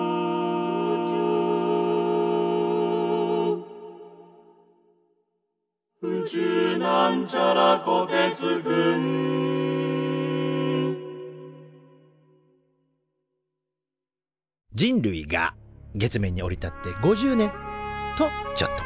「宇宙」人類が月面に降り立って５０年！とちょっと。